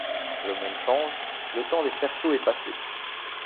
Le monde change, le temps des Ferchaux est passé.